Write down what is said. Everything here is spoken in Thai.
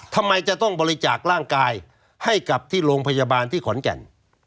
ทำไมจะต้องบริจาคร่างกายให้กับที่โรงพยาบาลที่ขอนแก่น